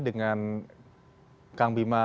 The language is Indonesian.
dengan kang bima